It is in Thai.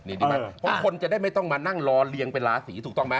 เพราะคนจะได้ไม่ต้องมานั่งรอเรียงเป็นราศีถูกต้องไหม